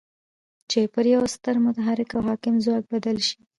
چې پر يوه ستر متحرک او حاکم ځواک بدل شي.